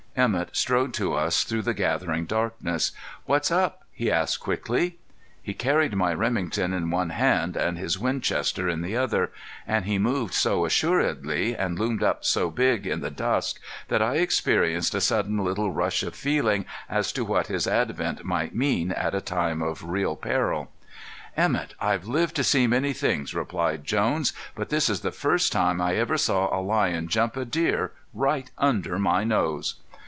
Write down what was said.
Emett strode to us through the gathering darkness. "What's up?" he asked quickly. He carried my Remington in one hand and his Winchester in the other; and he moved so assuredly and loomed up so big in the dusk that I experienced a sudden little rush of feeling as to what his advent might mean at a time of real peril. [Illustration: JONES ABOUT TO LASSO A MOUNTAIN LION] [Illustration: REMAINS OF A DEER KILLED BY LIONS] "Emett, I've lived to see many things," replied Jones, "but this is the first time I ever saw a lion jump a deer right under my nose!"